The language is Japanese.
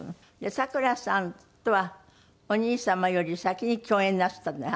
サクラさんとはお兄様より先に共演なすったのね